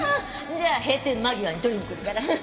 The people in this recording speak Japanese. じゃあ閉店間際に取りに来るから。